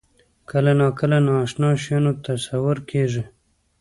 کله ناکله د نااشنا شیانو تصور کېږي.